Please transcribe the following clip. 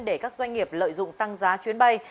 để các doanh nghiệp lợi dụng tăng giá chuyến bay